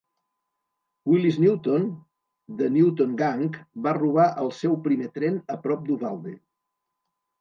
Willis Newton de The Newton Gang va robar el seu primer tren a prop d'Uvalde.